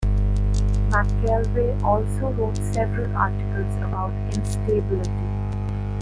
McKelvey also wrote several articles about instability.